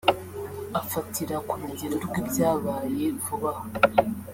Afatira ku rugero rw’ibyabaye vuba aha